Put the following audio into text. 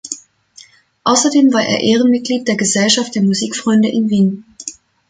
Außerdem war er Ehrenmitglied der Gesellschaft der Musikfreunde in Wien.